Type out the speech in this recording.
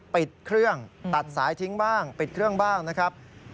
ปิดเครื่องตัดสายทิ้งบ้างปิดเครื่องบ้างนะครับ